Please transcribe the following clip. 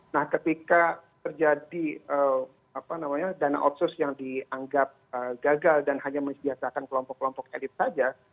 nah ketika terjadi dana otsus yang dianggap gagal dan hanya menyediakan kelompok kelompok elit saja